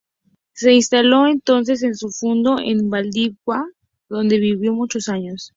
Se instaló entonces en su fundo en Valdivia, donde vivió muchos años.